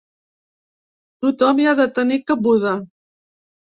Tothom hi ha de tenir cabuda.